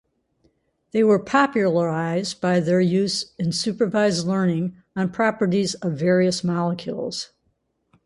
They were popularized by their use in supervised learning on properties of various molecules.